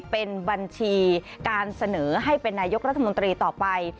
เป็นบัญชีการเสนอให้เป็นนายกรัฐมนตรีต่อไป